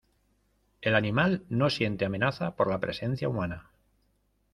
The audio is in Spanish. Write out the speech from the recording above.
el animal no siente amenaza por la presencia humana.